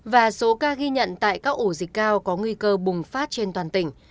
và số ca ghi nhận tại các ổ dịch cao có nguy cơ bùng phát trên toàn tỉnh